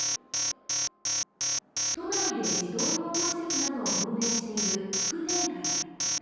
都内で児童養護施設などを運営している福田会。